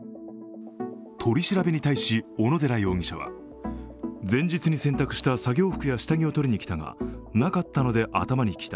取り調べに対し小野寺容疑者は前日に洗濯した作業服や下着を取りに来たがなかったので頭に来た、